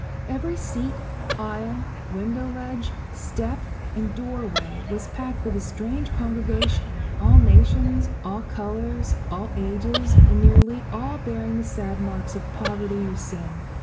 Every seat, aisle, window ledge, step, and door way, was packed with a strange congregation; all nations, all colours, all ages, and nearly all bearing the sad marks of poverty or sin.